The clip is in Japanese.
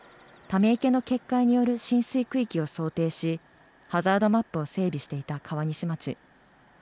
ため池の決壊による浸水区域を想定し、ハザードマップを整備していた川西町。